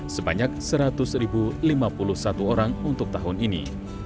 sebanyak seratus lima puluh satu orang untuk tahun ini